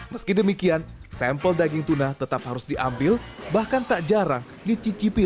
meski demikian sampel daging tuna ini tidak hanya untuk mencari makanan tetapi juga untuk mencari makanan